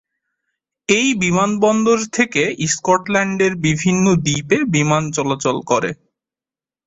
এই বিমানবন্দর থেকে স্কটল্যান্ডের বিভিন্ন দ্বীপে বিমান চলাচল করে।